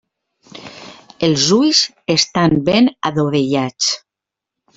Els ulls estan ben adovellats.